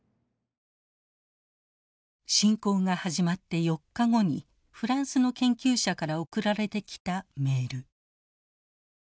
侵攻が始まって４日後にフランスの研究者から送られてきたメール。